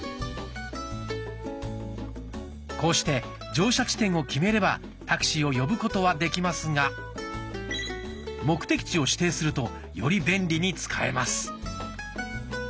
こうして乗車地点を決めればタクシーを呼ぶことはできますが目的地を指定するとより便利に使えます。